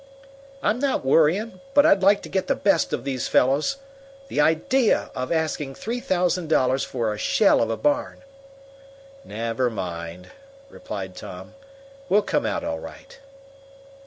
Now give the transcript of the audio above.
"I'm not worrying, but I'd like to get the best of those fellows. The idea of asking three thousand dollars for a shell of a barn!" "Never mind," replied Tom. "We'll come out all right."